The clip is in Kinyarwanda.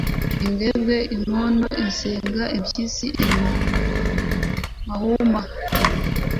imbwebwe, imondo, isega, impyisi mahuma,